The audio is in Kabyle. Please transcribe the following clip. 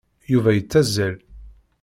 Yuba yettazzal.